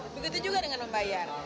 begitu juga dengan membayar